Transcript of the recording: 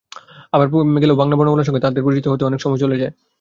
আবার গেলেও বাংলা বর্ণমালার সঙ্গে তাদের পরিচিত হতেই অনেক সময় চলে যায়।